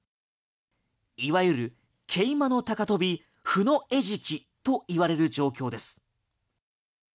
いわゆる桂馬の高跳び歩の餌食といわれる状況です。